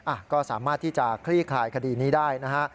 อ่ะก็สามารถที่จะคลี่คลายคดีนี้ได้นะฮะ